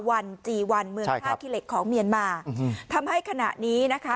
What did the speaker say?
วันจีวันเมืองภาคิเล็กของเมียนมาอืมอืมทำให้ขณะนี้นะคะ